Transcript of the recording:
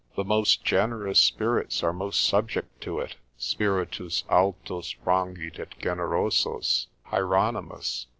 The most generous spirits are most subject to it; Spiritus altos frangit et generosos: Hieronymus.